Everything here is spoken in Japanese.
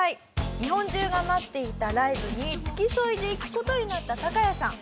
日本中が待っていたライブに付き添いで行く事になったタカヤさん。